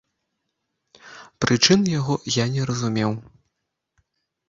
Прычын яго я не разумеў.